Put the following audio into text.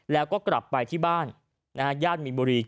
แล้วก็กลับไปที่บ้านย่านมีนบุรี